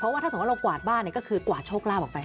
ว่าถ้าสมมุติเรากวาดบ้านก็คือกวาดโชคลาภออกไป